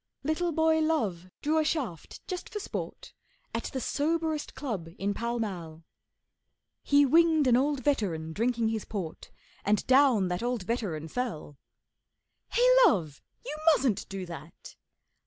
Little boy Love drew a shaft just for sport At the soberest club in Pall Mall; He winged an old veteran drinking his port, And down that old veteran fell. 'Hey, Love, you mustn't do that!